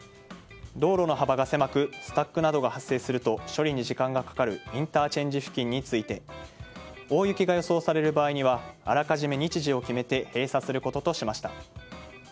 道路の幅が狭くスタックなどが発生すると処理に時間がかかるインターチェンジ付近について大雪が予想される場合にはあらかじめ日時を決めて閉鎖することとしました。